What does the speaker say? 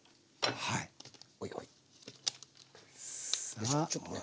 よいしょちょっとね